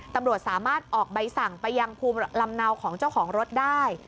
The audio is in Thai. ตำรวจสามารถออกใบสั่งไปยังภูมิลำเนาของเจ้าของรถได้